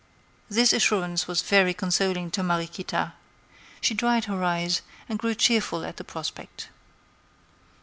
This assurance was very consoling to Mariequita. She dried her eyes, and grew cheerful at the prospect.